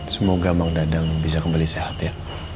semoga emang dadeng bisa kembali sehat ya